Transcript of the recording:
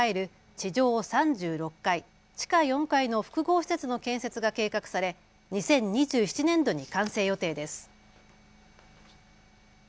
地上３６階、地下４階の複合施設の建設が計画され２０２７年度に完成予定です。